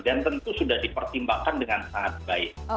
dan tentu sudah dipertimbangkan dengan sangat baik